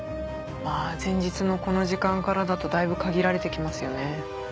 前日のこの時間からだとだいぶ限られてきますよね。